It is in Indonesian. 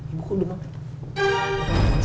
ibu kok udah mau